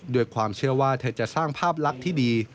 ด้วยความเชื่อว่าเธอจะสร้างภาพลักษณ์ที่ดี